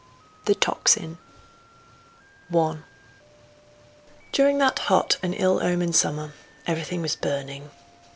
THE TOCSIN I During that hot and ill omened summer everything was burning.